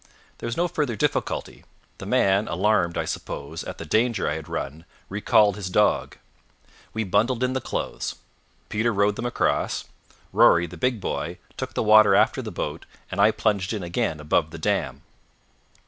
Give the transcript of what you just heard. There was no further difficulty. The man, alarmed, I suppose, at the danger I had run, recalled his dog; we bundled in the clothes; Peter rowed them across; Rory, the big boy, took the water after the boat, and I plunged in again above the dam.